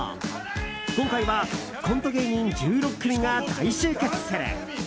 今回はコント芸人１６組が大集結する。